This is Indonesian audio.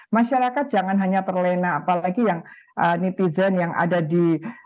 masyarakat jangan hanya terlena apalagi yang netizen yang ada di